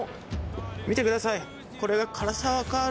見てください。